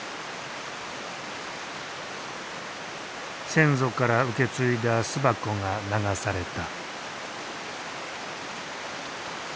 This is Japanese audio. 先祖から受け継いだ巣箱が流された。